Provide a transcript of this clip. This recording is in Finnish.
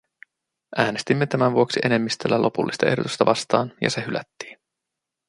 Äänestimme tämän vuoksi enemmistöllä lopullista ehdotusta vastaan, ja se hylättiin.